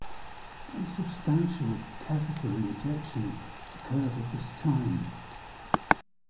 A substantial capital injection occurred at this time.